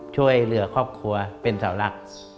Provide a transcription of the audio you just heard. ช่วยเหลือครอบครัวเป็นสาวรัก